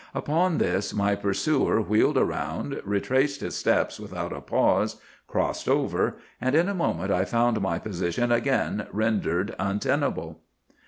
Upon this my pursuer wheeled round, retraced his steps without a pause, crossed over, and in a moment I found my position again rendered untenable.